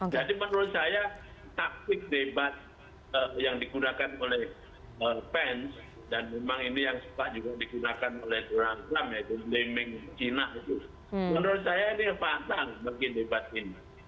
jadi menurut saya taktik debat yang dikurangkan oleh pen dan memang ini yang suka juga dikunakan oleh orang trump yaitu limg china itu menurut saya ini patah bagi debat ini